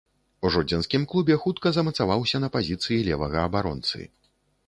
У жодзінскім клубе хутка замацаваўся на пазіцыі левага абаронцы.